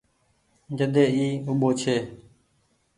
جڏي اي اوٻو ڇي۔